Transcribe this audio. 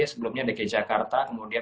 sebelumnya di jakarta kemudian